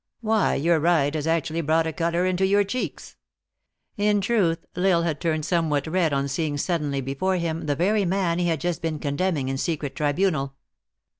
Why, your ride has actually brought a color into your cheeks." In truth, L Isle had turned some what red on seeing suddenly before him the very man he had just been condemning in secret tribunal.